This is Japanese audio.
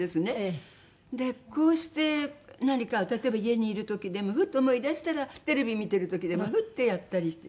こうして何か例えば家にいる時でもフッと思い出したらテレビ見てる時でもフッてやったり。